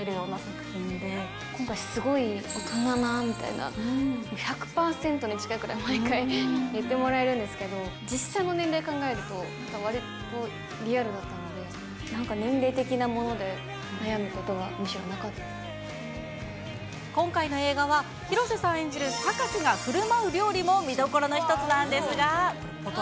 今回、すごい大人だなみたいな、１００％に近いくらい毎回、大人と言ってもらえるんですけど、実際の年齢考えると、なんかわりとリアルだったので、なんか年齢的なもので悩むことはむしろなか今回の映画は、広瀬さん演じる榊がふるまう料理も見どころの一つなんですが。